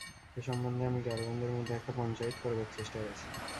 এ সম্বন্ধে আমি গাড়োয়ানদের মধ্যে একটা পঞ্চায়েত করবার চেষ্টায় আছি।